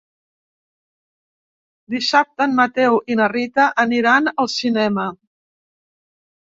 Dissabte en Mateu i na Rita aniran al cinema.